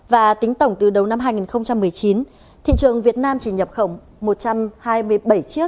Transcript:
và tính tổng từ đầu năm hai nghìn một mươi chín thị trường việt nam chỉ nhập khẩu một trăm hai mươi bảy chiếc